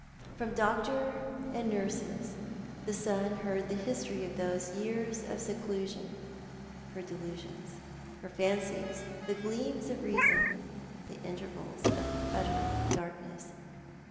From doctor and nurses the son heard the history of those years of seclusion : her delusions, her fancies, the gleams of reason, the intervals of utter darkness.